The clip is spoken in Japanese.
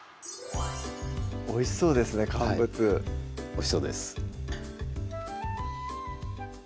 おいしそうですね乾物おいしそうです